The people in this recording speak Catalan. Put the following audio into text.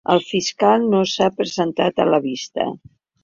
El fiscal no s’ha presentat a la vista.